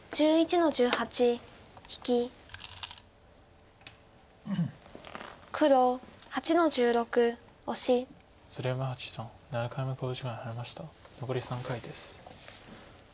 残り３回です。